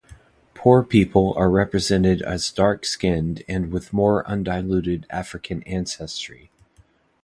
Poor people are represented as dark-skinned and with more undiluted African ancestry.